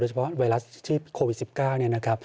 โดยเฉพาะไดรัสที่โควิด๑๙